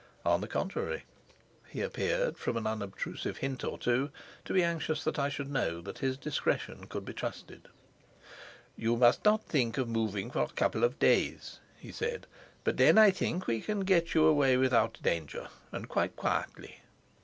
On the contrary, he appeared, from an unobtrusive hint or two, to be anxious that I should know that his discretion could be trusted. "You must not think of moving for a couple of days," he said; "but then, I think we can get you away without danger and quite quietly."